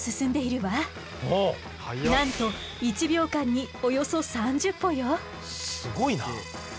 なんと１秒間におよそ３０歩よ！